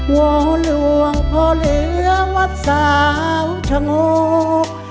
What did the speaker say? วอลหลวงพ่อเหลือวัดสามชะโงก